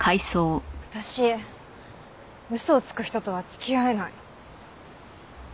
私嘘をつく人とは付き合えない。